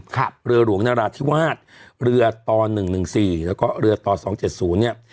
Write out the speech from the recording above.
ขับเรือหลวงนราธิวาสเรือต๑๑๔แล้วก็เรือต๒๗๐เนี่ย